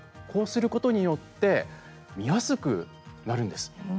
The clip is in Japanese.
こうすることによって見やすくなるんです。